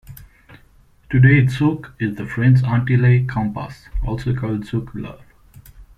Today, zouk is the French Antilles compas, also called zouk-love.